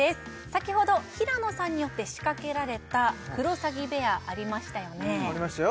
先ほど平野さんによって仕掛けられたクロサギベアありましたよねありましたよ